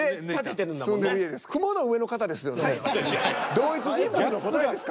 同一人物の答えですか？